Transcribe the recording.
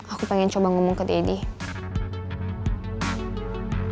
aku pengen coba ngomong ke deddy